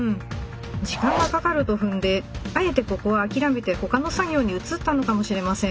時間がかかると踏んであえてここは諦めて他の作業に移ったのかもしれません。